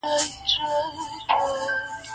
منځ کي پروت یې زما د سپینو ایینو ښار دی-